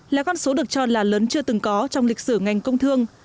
sáu trăm bảy mươi năm là con số được cho là lớn chưa từng có trong lịch sử ngành công thương